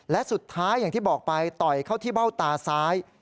และสุดท้ายอย่างที่บอกไปต่อยเข้าที่เบ้าตาซ้าย